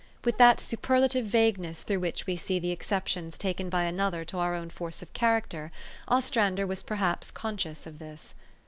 With that super lative vagueness through which we see the excep tions taken by another to our own force of character, Ostrander was perhaps conscious of this.